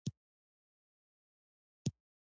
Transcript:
افغانستان کې ځنګلونه د هنر په اثار کې منعکس کېږي.